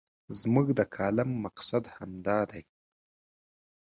زموږ د کالم مقصد همدا دی.